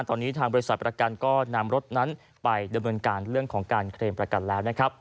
ตอนนี้ทางบริษัทประกันก็นำรถนั้นไปดำเนินการเรื่องของการเคลมประกันแล้วนะครับ